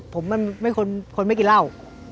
ผมมันเป็นคนไม่กินเหล้า